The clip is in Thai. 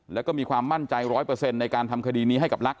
แล้วก็มีความมั่นใจร้อยเปอร์เซ็นต์ในการทำคดีนี้ให้กับลัก